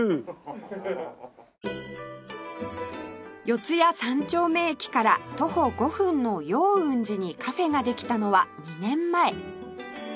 四谷三丁目駅から徒歩５分の陽運寺にカフェができたのは２年前